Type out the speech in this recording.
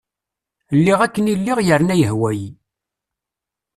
Lliɣ akken lliɣ yerna yehwa-iyi.